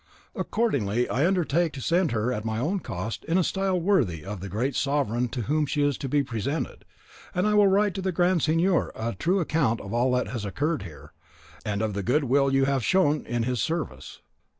Accordingly, I undertake to send her at my own cost in a style worthy of the great sovereign to whom she is to be presented; and I will write to the Grand Signor a true account of all that has occurred here, and of the good will you have shown in his service."